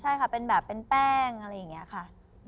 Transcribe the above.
ใช่ค่ะเป็นแบบเป็นแป้งอะไรอย่างนี้ค่ะ